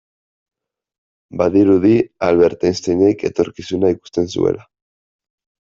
Badirudi Albert Einsteinek etorkizuna ikusten zuela.